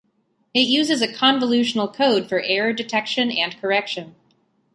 It uses a convolutional code for error detection and correction.